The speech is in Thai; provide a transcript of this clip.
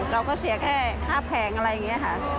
เราก็เสียแค่๕แผงอะไรอย่างนี้ค่ะ